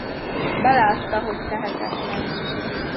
Belátta, hogy tehetetlen.